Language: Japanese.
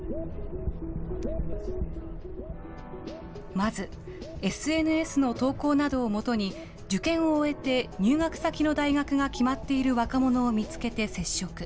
まず、ＳＮＳの投稿などをもとに、受験を終えて、入学先の大学が決まっている若者を見つけて接触。